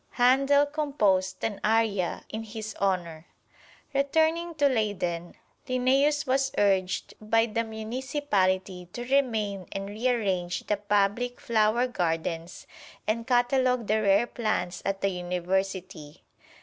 Handel composed an aria in his honor. Returning to Leyden, Linnæus was urged by the municipality to remain and rearrange the public flower gardens and catalog the rare plants at the University.